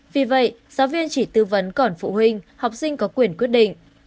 vì vậy giáo viên chỉ tư vấn còn phụ huynh học sinh có quyền quyết định